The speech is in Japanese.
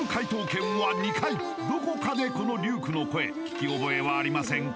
どこかでこのリュークの声聞き覚えはありませんか？